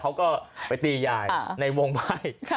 เขาก็ไปตียายในวงใบ้